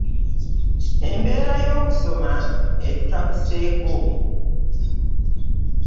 Embeera y'okusoma etutabuseeko.